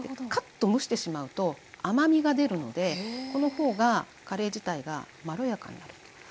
かっと蒸してしまうと甘みが出るのでこの方がカレー自体がまろやかになる。